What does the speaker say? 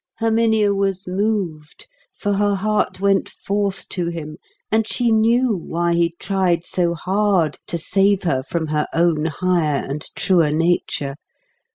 Herminia was moved, for her heart went forth to him, and she knew why he tried so hard to save her from her own higher and truer nature.